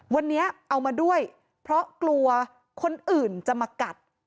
วันนี้เอามาด้วยเพราะกลัวคนอื่นจะมากัด